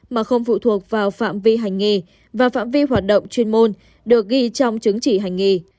mà không phụ thuộc vào phạm vi hành nghề và phạm vi hoạt động chuyên môn được ghi trong chứng chỉ hành nghề